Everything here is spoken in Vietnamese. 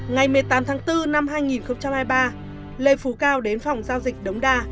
ngày một mươi tám tháng bốn năm hai nghìn hai mươi ba lê phú cao đến phòng giao dịch đống đa